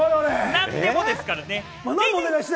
何でもですからね？